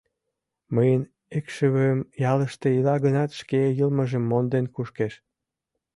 Мыйын икшывем ялыште ила гынат, шке йылмыжым монден кушкеш.